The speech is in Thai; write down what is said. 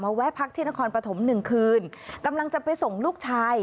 แวะพักที่นครปฐมหนึ่งคืนกำลังจะไปส่งลูกชาย